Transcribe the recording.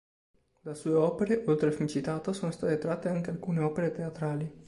Da sue opere, oltre al film citato, sono state tratte anche alcune opere teatrali.